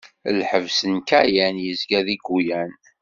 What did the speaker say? Lḥebs n Kayan yezga-deg Guyane.